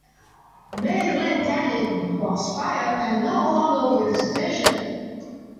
Big Lip Bandit was fired and no longer with the station.